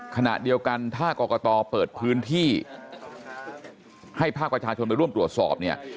ขณะเดียวกันถ้ากรกตเปิดพื้นที่ให้ภาคประชาชนไปร่วมตรวจสอบเนี่ย